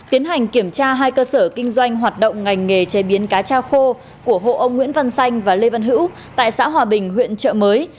tiến hành kiểm tra hai cơ sở kinh doanh hoạt động ngành nghề chế biến cá cha khô của hộ ông nguyễn văn xanh và lê văn hữu tại xã hòa bình huyện trợ mới